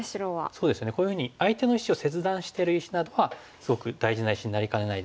そうですよねこういうふうに相手の石を切断してる石などはすごく大事な石になりかねないですし。